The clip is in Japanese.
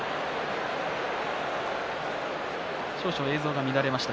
少々映像が乱れました。